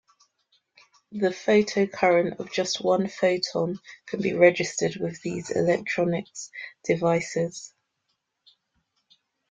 The photocurrent of just one photon can be registered with these electronics devices.